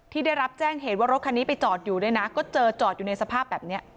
ได้รับแจ้งเหตุว่ารถคันนี้ไปจอดอยู่ด้วยนะก็เจอจอดอยู่ในสภาพแบบนี้